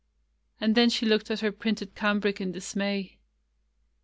And then she looked at her printed cambric in dismay.